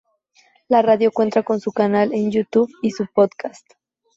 La radio cuenta con su canal en Youtube y su Podcast.